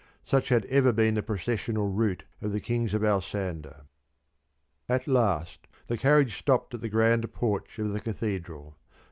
Such had ever been the processional route of the Kings of Alsander. At last the carriage stopped at the grand porch of the Cathedral.